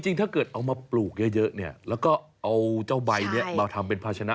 ถ้าเกิดเอามาปลูกเยอะเนี่ยแล้วก็เอาเจ้าใบนี้มาทำเป็นภาชนะ